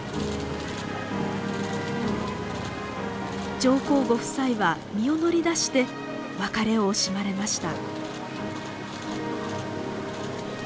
上皇ご夫妻は身を乗り出して別れを惜しまれました。